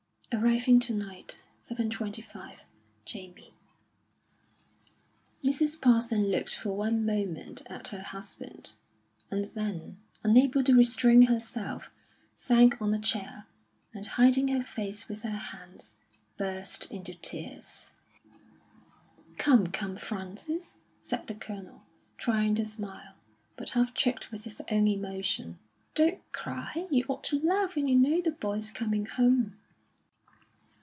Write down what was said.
"Arriving to night; 7.25. JAMIE." Mrs. Parson looked for one moment at her husband, and then, unable to restrain herself, sank on a chair, and hiding her face with her hands, burst into tears. "Come, come, Frances," said the Colonel, trying to smile, but half choked with his own emotion, "don't cry! You ought to laugh when you know the boy's coming home."